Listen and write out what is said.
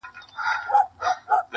په لوی لاس به ورانوي د ژوندون خونه،